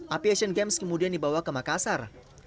api asian games kemudian dibawa ke makassar